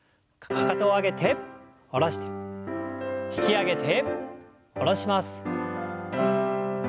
かかとを上げて下ろして引き上げて下ろします。